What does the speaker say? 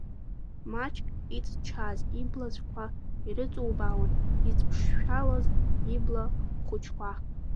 Маҷк иҵчааз иблацәақуа ирыҵубаауан иӡԥшшәалаз ибла хуҷқуа…